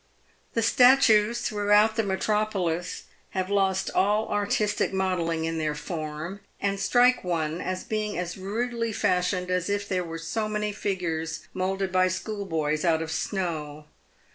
The statues throughout the metropolis have lost all artistic mo delling in their form, and strike one as being as rudely fashioned as if they were so many figures moulded by schoolboys out of snow.